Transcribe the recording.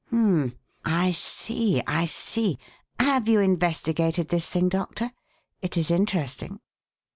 "Hum m m! I see, I see! Have you investigated this thing, Doctor? It is interesting."